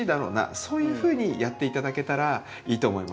そういうふうにやっていただけたらいいと思います。